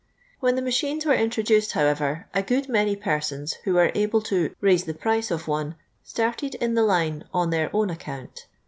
When the machines were introduced, however, a good many persons who were able to raise the price" of one started in the line on their own account.